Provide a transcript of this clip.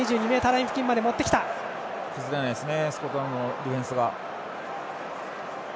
崩れないですね